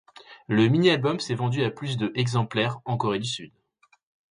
Le mini-album s'est vendu à plus de exemplaires en Corée du Sud.